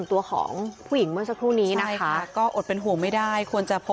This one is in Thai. แล้วก็ปู่ก็ถอนแล้วมันเหม็นเน่า